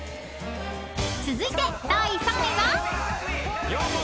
［続いて第３位は？］